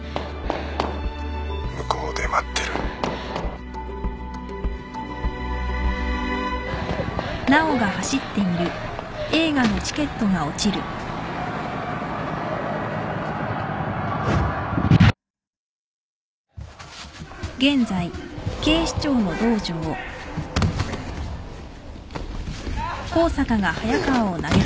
向こうで待ってるうっ。